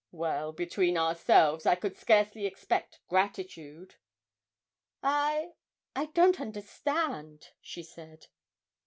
Well, between ourselves, I could scarcely expect gratitude.' 'I I don't understand,' she said.